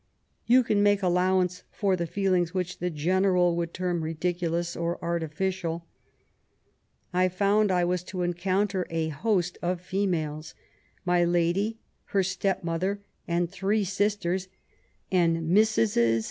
You can make allowance for the feelings which the General would term ridiculous or artificial 1 found I was to encounter a host of females — My Lady, her step mother and three sisters, and Mrses.